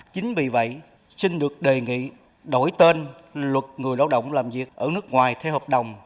chính vì vậy xin được đề nghị đổi tên luật người lao động làm việc ở nước ngoài theo hợp đồng